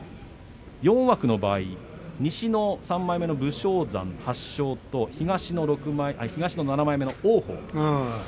４枠の場合西の３枚目の武将山、８勝と東の７枚目、王鵬。